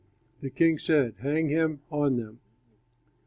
The king said, "Hang him on them."